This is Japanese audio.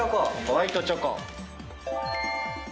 ホワイトチョコ。